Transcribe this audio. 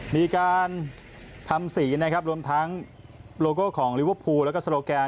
มีการทำสีนะครับรวมทั้งโลโก้ของลิเวอร์พูลแล้วก็โลแกน